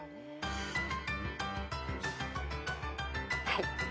はい。